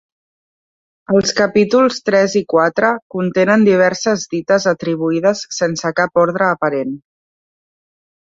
Els capítols tres i quatre contenen diverses dites atribuïdes sense cap ordre aparent.